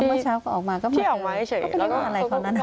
เมื่อเช้าก็ออกมาก็ไม่เคย